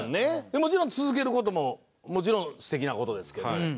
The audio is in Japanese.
もちろん続ける事ももちろん素敵な事ですけど。